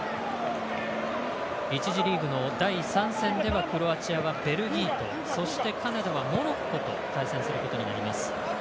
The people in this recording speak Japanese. １次リーグの第３戦ではクロアチアはベルギーとそして、カナダはモロッコと対戦することになります。